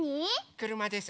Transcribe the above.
くるまです。